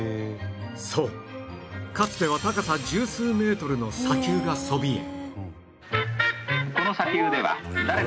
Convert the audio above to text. そうかつては高さ十数メートルの砂丘がそびえ